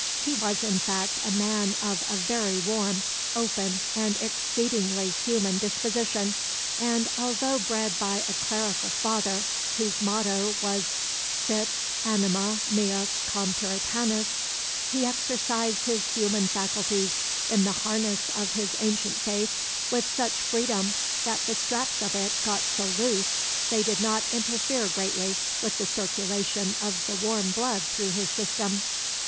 He was in fact a man of a very warm, open, and exceedingly human disposition, and, although bred by a clerical father, whose motto was "Sit anima mea cum Puritanis," he exercised his human faculties in the harness of his ancient faith with such freedom that the straps of it got so loose they did not interfere greatly with the circulation of the warm blood through his system.